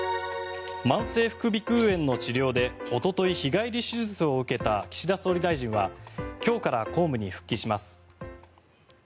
慢性副鼻腔炎の治療でおととい日帰り手術を受けた岸田総理大臣は今日から公務に復帰します。